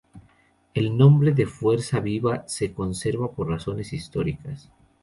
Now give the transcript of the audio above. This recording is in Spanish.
El nombre de fuerza viva se conserva por razones históricas.